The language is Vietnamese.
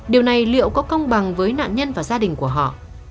điều này liệu có công bằng với nạn nhân và gia đình của họ